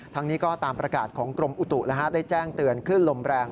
ทั้งนี้ก็ตามประกาศของกรมอุตุได้แจ้งเตือนคลื่นลมแรง